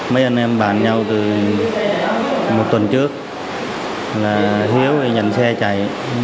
mấy anh em bàn nhau từ một tuần trước là hiếu nhận xe chạy